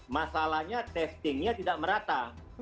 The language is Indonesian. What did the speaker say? masalahnya testingnya tidak merata